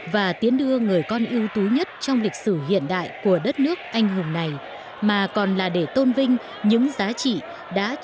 và tiến đưa người con yêu tú nhất trong lịch sử hiện đại của chúng ta